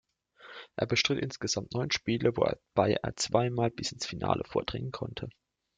Er bestritt insgesamt neun Spiele, wobei er zweimal bis ins Finale vordringen konnte.